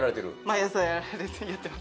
毎朝やってます。